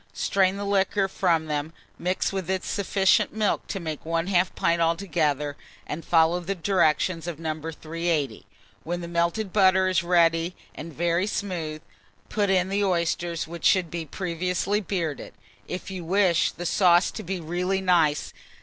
Strain the liquor from them, mix with it sufficient milk to make 1/2 pint altogether, and follow the directions of No. 380. When the melted butter is ready and very smooth, put in the oysters, which should be previously bearded, if you wish the sauce to be really nice.